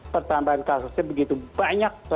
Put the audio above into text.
pertambahan kasusnya begitu banyak